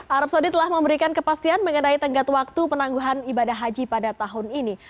arab saudi telah memberikan kepastian mengenai tenggat waktu penangguhan ibadah haji pada tahun ini